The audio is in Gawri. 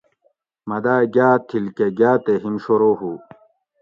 مۤہ داۤ گاۤتھل کۤہ گاۤ تے ہیم شورو ہُو